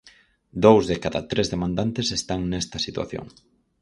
Dous de cada tres demandantes están nesta situación.